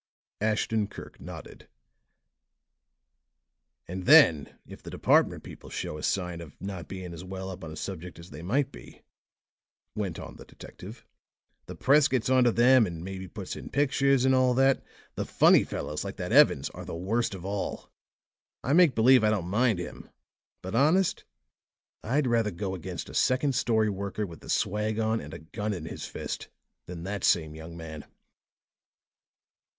Ashton Kirk nodded. "And then, if the department people show a sign of not being as well up on a subject as they might be," went on the detective, "the press gets onto them and maybe puts in pictures, and all that. The funny fellows, like that Evans, are the worst of all. I make believe I don't mind him, but honest, I'd rather go against a second story worker with the swag on and a gun in his fist, than that same young man."